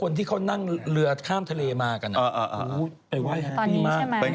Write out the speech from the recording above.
นี่คือพี่ไปไหว้เจ้า